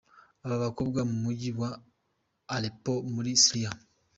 Aba bakomoka mu Mujyi wa Aleppo muri Syria.